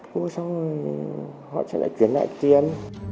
mua xong rồi họ sẽ lại chuyển lại tiền